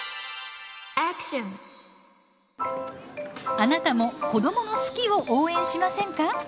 あなたも子どもの好きを応援しませんか？